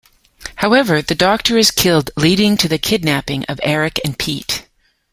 However, the doctor is killed, leading to the kidnapping of Eric and Pete.